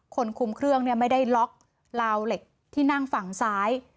คุมเครื่องไม่ได้ล็อกลาวเหล็กที่นั่งฝั่งซ้าย